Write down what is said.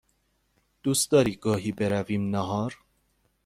دوست داری گاهی برویم نهار؟